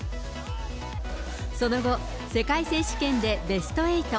その後、世界選手権でベスト８。